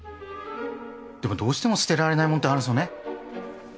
でもどうしても捨てられない物ってあるんですよね。